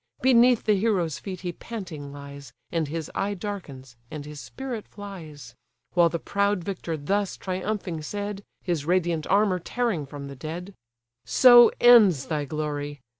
Beneath the hero's feet he panting lies, And his eye darkens, and his spirit flies; While the proud victor thus triumphing said, His radiant armour tearing from the dead: "So ends thy glory!